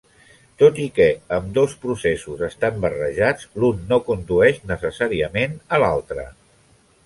Tot i que ambdós processos estan barrejats, l'un no condueix necessàriament a l'altre.